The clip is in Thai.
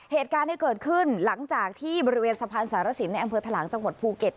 เหตุการณ์ที่เกิดขึ้นหลังจากที่บริเวณสะพานสารสินในอำเภอทะลังจังหวัดภูเก็ต